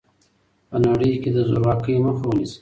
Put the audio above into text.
په نړۍ کي د زورواکۍ مخه ونیسئ.